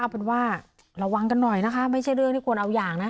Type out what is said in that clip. เอาเป็นว่าระวังกันหน่อยนะคะไม่ใช่เรื่องที่ควรเอาอย่างนะ